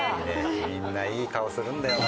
みんないい顔するんだよな。